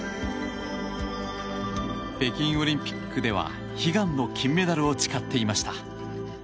北京オリンピックでは悲願の金メダルを誓っていました。